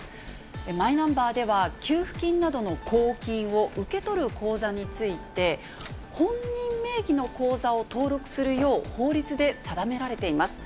マイナンバーでは、給付金などの公金を受け取る口座について、本人名義の口座を登録するよう法律で定められています。